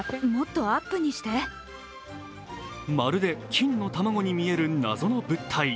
まるで金の卵に見える謎の物体。